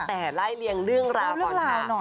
แต่ไล่เรียงเรื่องราค่ะ